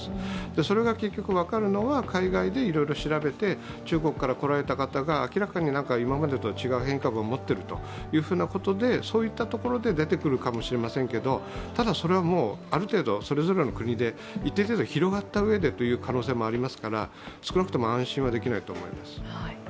それが結局分かるのは、海外でいろいろ調べて中国から来られた方が明らかに今までとは違う変異株を持っていると、そういったところで出てくるかもしれませんけどただそれは、ある程度、それぞれの国で一定程度広がったうえでという可能性もありますから、少なくとも安心はできないと思います。